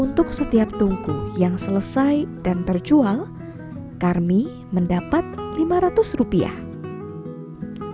untuk setiap tungku yang selesai dan terjual karmi mendapat lima ratus rupiah